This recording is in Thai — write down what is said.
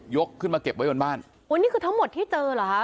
ขึ้นมาเก็บไว้บนบ้านโอ้นี่คือทั้งหมดที่เจอเหรอฮะ